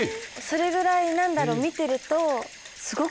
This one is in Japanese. それぐらい何だろう見てると。